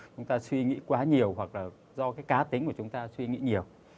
chúng ta suy nghĩ quá nhiều hoặc là do cái cá tính của chúng ta suy nghĩ nhiều